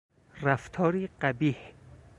رفتاری قبیح